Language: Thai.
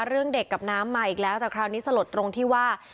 เรื่องเด็กกับน้ำมาอีกแล้วแต่คราวนี้สลดตรงที่ว่า